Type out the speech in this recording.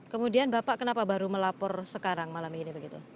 kemudian bapak kenapa baru melapor sekarang malam ini begitu